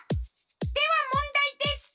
ではもんだいです！